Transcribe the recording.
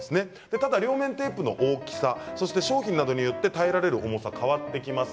ただ両面テープの大きさ商品などによって耐えられる重さは変わってきます。